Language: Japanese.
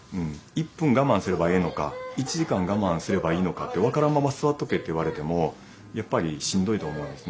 １分我慢すればええのか１時間我慢すればいいのかって分からんまま座っとけって言われてもやっぱりしんどいと思うんですね。